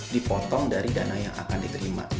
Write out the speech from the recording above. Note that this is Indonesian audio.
dipotong dari dana yang akan diterima